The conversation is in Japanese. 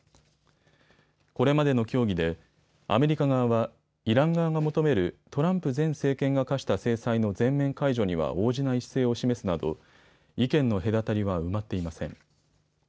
これまでの協議でアメリカ側はイラン側が求めるトランプ前政権が科した制裁の全面解除には応じない姿勢を示すなど意見の隔たりは埋まっていません。